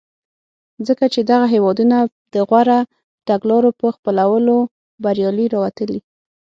ځکه چې دغه هېوادونه د غوره تګلارو په خپلولو بریالي راوتلي.